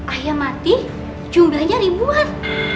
ayam mati jumlahnya ribuan